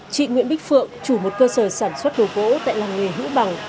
chị nguyễn bích phượng chủ một cơ sở sản xuất đồ gỗ tại làng nghề hữu bằng